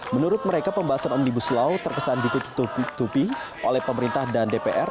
menurut mereka pembahasan omnibus law terkesan ditutupi oleh pemerintah dan dpr